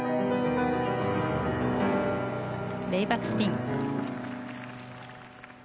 レイバックスピン。